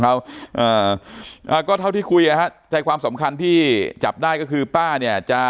แต่ก็เเท่าที่คุยเเหร่ครับใจความสำคัญที่จับได้ก็คือป๊าเนี่ย